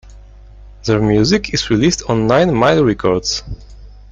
Their music is released on Nine Mile Records.